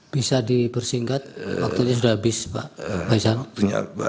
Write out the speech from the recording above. bisa dipersingkat waktunya sudah habis pak faisal